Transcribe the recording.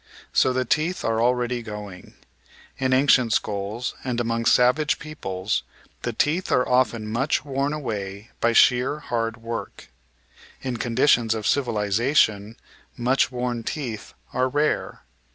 So the teeth are already going. In ancient skulls and among savage peoples the teeth are often much worn away by sheer hard work; in conditions of civilisation much worn teeth are rare.